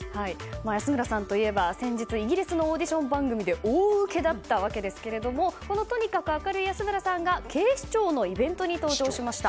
安村さんといえば先日イギリスのオーディション番組で大ウケだったわけですがこのとにかく明るい安村さんが警視庁のイベントに登場しました。